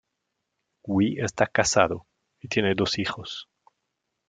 Wi Está casado y tiene dos hijos.